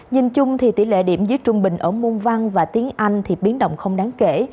nhìn chung thì tỷ lệ điểm dưới trung bình ở môn văn và tiếng anh thì biến động không đáng kể